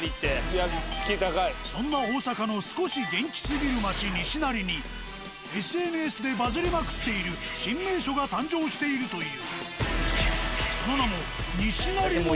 そんな大阪の少し元気すぎる街西成にＳＮＳでバズりまくっている新名所が誕生しているという。